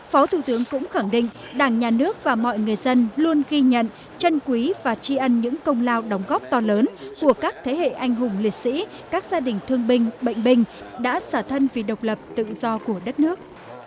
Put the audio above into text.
phó thủ tướng cũng khẳng định đảng nhà nước và mọi người dân luôn ghi nhận chân quý và tri ân những công lao đóng góp to lớn của các thế hệ anh hùng liệt sĩ các gia đình thương binh bệnh binh đã xả thân vì độc lập tự do của đất nước